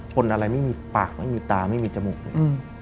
อะไรไม่มีปากไม่มีตาไม่มีจมูกเลย